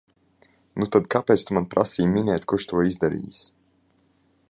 Nu tad kāpēc tu man prasīji minēt, kurš to izdarījis?